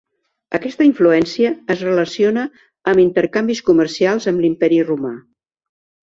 Aquesta influència es relaciona amb intercanvis comercials amb l'Imperi romà.